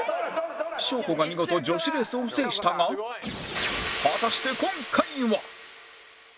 祥子が見事女子レースを制したが果たして今回は！？